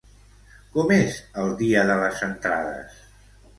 Com és el dia de les entrades?